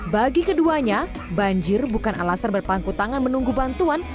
bagi keduanya banjir bukan alasan berpangku tangan menunggu bantuan